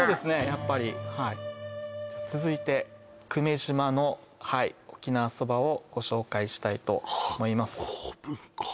やっぱりはいじゃあ続いて久米島のはい沖縄そばをご紹介したいと思います